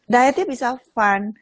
dietnya bisa fun